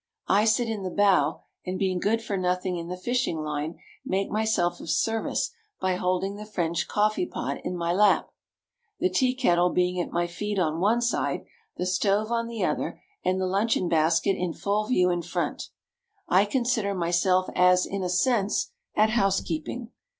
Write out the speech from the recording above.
I sit in the bow, and, being good for nothing in the fishing line, make myself of service by holding the French coffee pot in my lap. The tea kettle being at my feet on one side, the stove on the other, and the luncheon basket in full view in front, I consider myself as, in a sense, at housekeeping.